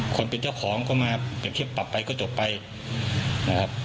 คนเป็นเจ้าของก็มาเปรียบเทียบปรับไปก็จบไปนะครับ